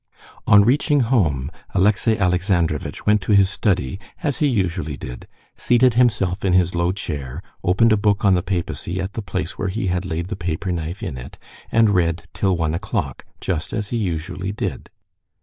On reaching home Alexey Alexandrovitch went to his study, as he usually did, seated himself in his low chair, opened a book on the Papacy at the place where he had laid the paper knife in it, and read till one o'clock, just as he usually did.